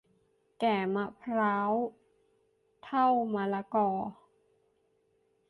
แก่มะพร้าว เฒ่ามะละกอ